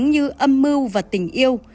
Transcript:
giống như âm mưu và tình yêu